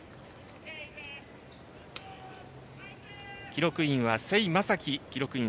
記録員は瀬井雅貴記録員。